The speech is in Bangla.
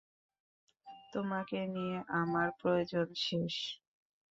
তোমাকে নিয়ে আমার প্রয়োজন শেষ।